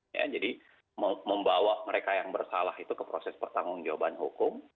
ya jadi membawa mereka yang bersalah itu ke proses pertanggung jawaban hukum